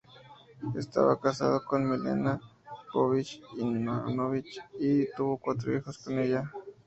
Estaba casado con Milena Popović Ivanović y tuvo cuatro hijos con ella.